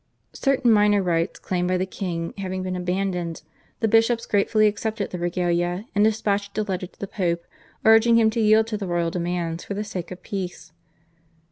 Certain minor rights claimed by the king having been abandoned, the bishops gratefully accepted the /Regalia/, and despatched a letter to the Pope urging him to yield to the royal demands for the sake of peace.